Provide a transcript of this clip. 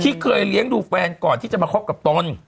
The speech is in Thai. เคยเลี้ยงดูแฟนก่อนที่จะมาคบกับตน